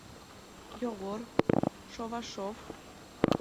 Йогор, Шовашов.